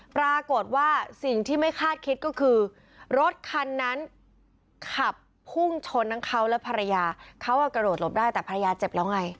ปรากฏว่าสิ่งที่ไม่คาดคิดก็คือรถคันนั้นขับพุ่งชนทั้งเขาและภรรยาเขากระโดดหลบได้แต่ภรรยาเจ็บแล้วไง